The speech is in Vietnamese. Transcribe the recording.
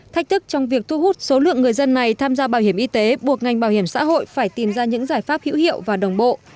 thách thức trong việc thu hút số lượng người dân này tham gia bảo hiểm y tế buộc ngành bảo hiểm xã hội phải tìm ra những giải pháp hữu hiệu và đồng bộ